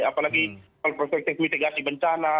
apalagi kalau perspektif mitigasi bencana